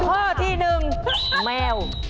ข้อที่๑แมว